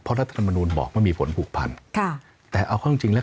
เพราะรัฐธรรมนุนบอกว่ามันมีผลผูกพันแต่เอาความจริงแล้ว